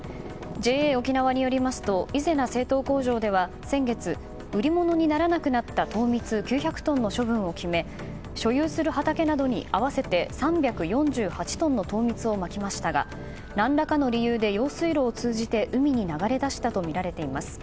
ＪＡおきなわによりますと伊是名製糖工場では先月、売り物にならなくなった糖蜜９００トンの処分を決め所有する畑などに合わせて３４８トンの糖蜜をまきましたが何らかの理由で用水路を通じて海に流れ出したとみられています。